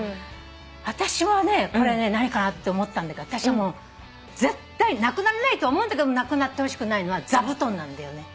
私はねこれ何かなって思ったんだけど絶対なくならないと思うんだけどなくなってほしくないのは座布団なんだよね。